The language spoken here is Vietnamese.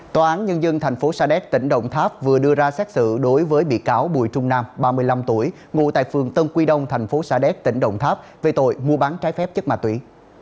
tòa án nhân dân thành phố sa đéc tỉnh đồng tháp vừa đưa ra xét xử đối với bị cáo bùi trung nam ba mươi năm tuổi ngụ tại phường tân quy đông thành phố sa đéc tỉnh đồng tháp về tội mua bán trái phép chất ma túy